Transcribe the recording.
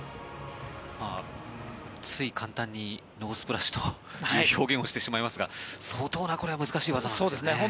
つい、簡単にノースプラッシュという表現をしてしまいますが相当なこれは難しい技なんですね。